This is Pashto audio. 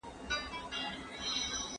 آیا ته غواړې چې آنلاین کورسونه واخلې؟